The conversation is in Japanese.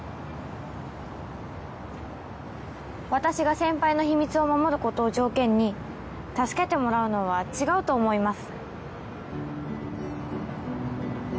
私が先輩の秘密を守る事を条件に助けてもらうのは違うと思います。